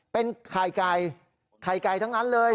เป็นไข่ไก่ไข่ไก่ทั้งนั้นเลย